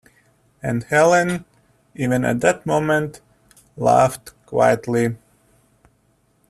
And Helene, even at that moment, laughed quietly.